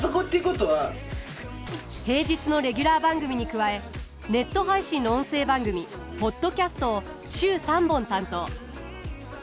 平日のレギュラー番組に加えネット配信の音声番組ポッドキャストを週３本担当。